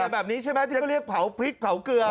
แบบนี้ใช่ไหมที่เขาเรียกเผาพริกเผาเกลือ